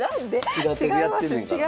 平手でやってんねんから。